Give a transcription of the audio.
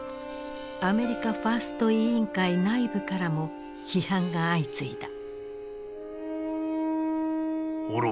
アメリカ・ファースト委員会内部からも批判が相次いだ。